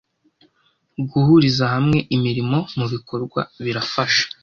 guhuriza hamwe imirimo mubikorwa birafasha